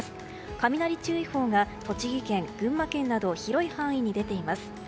雷注意報が栃木県、群馬県など広い範囲に出ています。